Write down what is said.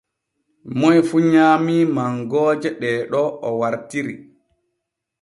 Moy fu nyaamii mangooje ɗee ɗo o wartiri.